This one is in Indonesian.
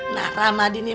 nah rahmadi nih